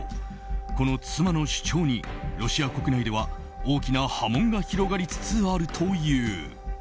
この妻の主張に、ロシア国内では大きな波紋が広がりつつあるという。